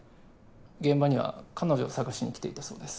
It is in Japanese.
現場には彼女を捜しに来ていたそうです。